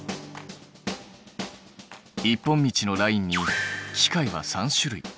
一本道のラインに機械は３種類。